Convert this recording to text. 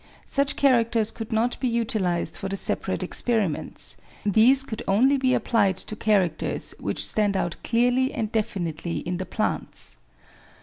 Such characters could not be utilised for the separate experiments; these could only be applied to characters which stand out clearly and definitely in the plants.